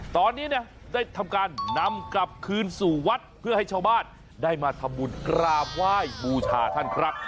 ตอนนี้เนี่ยได้ทำการนำกลับคืนสู่วัดเพื่อให้ชาวบ้านได้มาทำบุญกราบไหว้บูชาท่านครับ